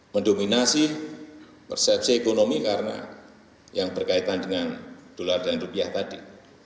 mendominasi persepsi ekonomi karena yang berkaitan dengan dolar dan rupiah tadi